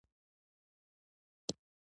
سهار مو لومړی فرض لمونځ اداء کړ.